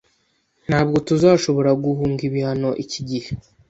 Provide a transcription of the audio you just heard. Ntabwo tuzashobora guhunga ibihano iki gihe.